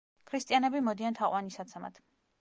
ქრისტიანები მოდიან თაყვანის საცემად.